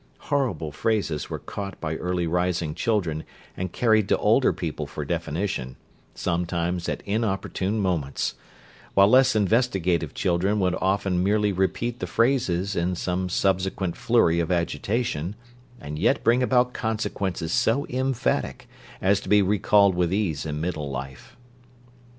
Horrible phrases were caught by early rising children and carried to older people for definition, sometimes at inopportune moments; while less investigative children would often merely repeat the phrases in some subsequent flurry of agitation, and yet bring about consequences so emphatic as to be recalled with ease in middle life.